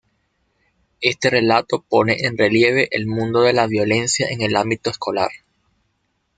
Este relato pone en relieve el mundo de la violencia en el ámbito escolar.